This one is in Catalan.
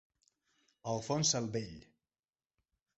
Alfons el Vell.